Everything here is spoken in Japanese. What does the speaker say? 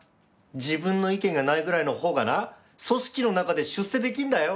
自分の意見がないぐらいのほうがな組織の中で出世できんだよ！